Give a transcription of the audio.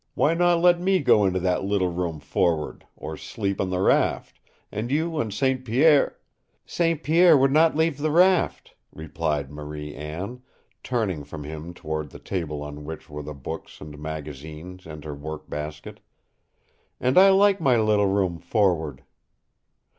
Why not let me go into that little room forward, or sleep on the raft and you and St. Pierre " "St. Pierre would not leave the raft," replied Marie Anne, turning from him toward the table on which were the books and magazines and her work basket. "And I like my little room forward."